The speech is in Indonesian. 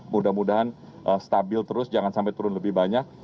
mudah mudahan stabil terus jangan sampai turun lebih banyak